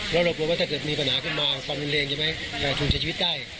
แล้วเราบอกว่าถ้าเกิดมีปัญหาขึ้นมาความเร็นใช่ไหมจะชูนใจชีวิตได้